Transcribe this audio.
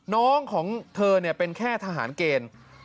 น้องของเธอเป็นแค่ทหารเกณฑ์